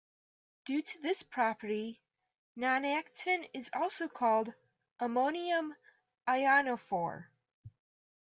Due to this property, nonactin is also called "ammonium ionophore".